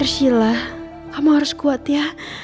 ushila kamu harus kuat ya